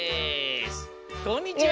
こんにちは。